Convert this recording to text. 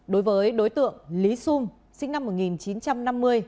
đối với đối tượng lý xung sinh năm một nghìn chín trăm năm mươi